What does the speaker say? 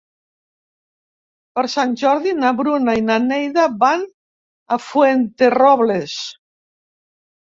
Per Sant Jordi na Bruna i na Neida van a Fuenterrobles.